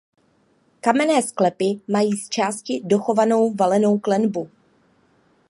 Kamenné sklepy mají zčásti dochovanou valenou klenbu.